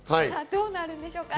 どうなるんでしょうか。